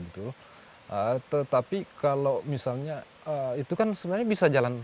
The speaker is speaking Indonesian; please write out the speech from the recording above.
tetapi kalau misalnya itu kan sebenarnya bisa jalan